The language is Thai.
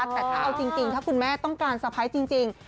แต่ถ้าเอาจริงถ้าคุณแม่ต้องการสะพ้ายจริง